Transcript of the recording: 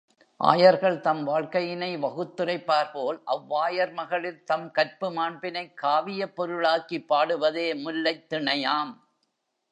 ஆயர்கள் தம் வாழ்க்கையினை வகுத்துரைப்பார்போல், அவ்வாயர் மகளிர் தம் கற்பு மாண்பினைக் காவியப் பொருளாக்கிப் பாடுவதே முல்லைத் திணையாம்.